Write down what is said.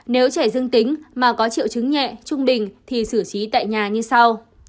nếu chạy dưng tính mà có triệu chứng nhẹ trung bình thì xử trí tại nhà như sau